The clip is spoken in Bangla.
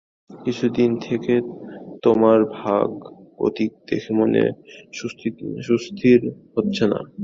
কিছুদিন থেকে তোমার ভাবগতিক দেখে মন সুস্থির হচ্ছে না।